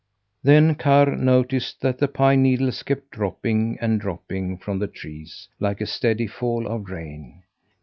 Then Karr noticed that the pine needles kept dropping and dropping from the trees, like a steady fall of rain.